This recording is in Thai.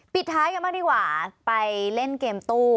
ปิดท้ายกันบ้างดีกว่าไปเล่นเกมตู้